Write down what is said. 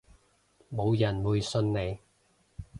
冇人會信你